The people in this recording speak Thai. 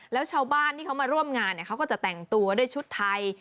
แล้วชาวบ้านที่เขามาร่วมงานเขาก็จะแต่งตัวด้วยชุดไทย